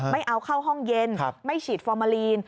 ไม่เอาเข้าห้องเย็นไม่ฉีดฟอร์มาลีน